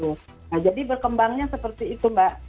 nah jadi berkembangnya seperti itu mbak